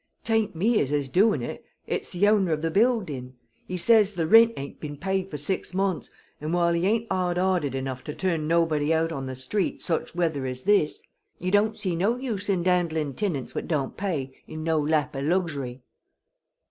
"'Tain't me as is doin' ut ut's the owner of the buildin'. He says the rint ain't been paid for six mont's, and while he ain't hard hearted enough to turn nobody out on the sthreet such weather as this, he don't see no use in dandlin' tinants what don't pay in no lap o' luxury."